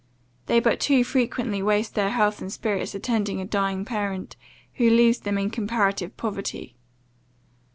They but too frequently waste their health and spirits attending a dying parent, who leaves them in comparative poverty.